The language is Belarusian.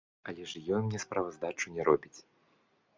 Але ж ён мне справаздачу не робіць.